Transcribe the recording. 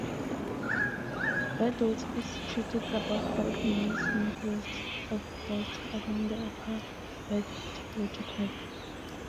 Whitewater is situated about five miles northwest of Delta along the Upper Whitewater Creek.